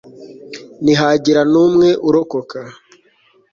ntihagira n'umwe urokoka